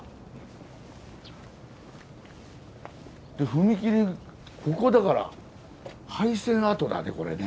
踏切ここだから廃線跡だねこれね。